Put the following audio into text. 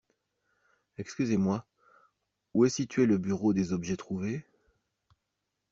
Excusez-moi, où est situé le bureau des objets trouvés?